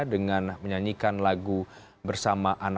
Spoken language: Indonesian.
dengan menyanyikan lagu bersama tni